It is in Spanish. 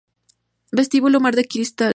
Vestíbulo Mar de Cristal